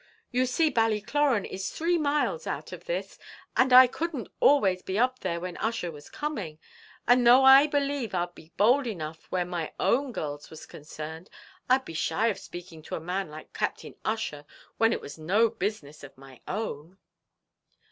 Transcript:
You see Ballycloran is three miles out of this, and I couldn't always be up there when Ussher was coming. And though I believe I'd be bold enough where one of my own girls was concerned, I'd be shy of speaking to a man like Captain Ussher, when it was no business of my own."